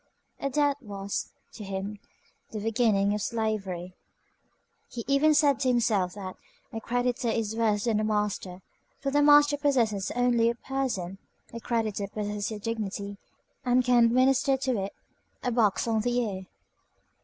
A debt was, to him, the beginning of slavery. He even said to himself, that a creditor is worse than a master; for the master possesses only your person, a creditor possesses your dignity and can administer to it a box on the ear.